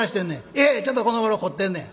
「いやちょっとこのごろ凝ってんねん」。